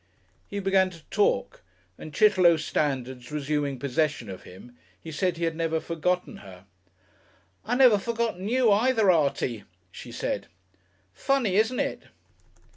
He began to talk, and Chitterlow standards resuming possession of him he said he had never forgotten her. "I never forgotten you either, Artie," she said. "Funny, isn't it?"